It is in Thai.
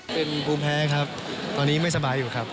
เป็นภูมิแพ้ครับตอนนี้ไม่สบายอยู่ครับ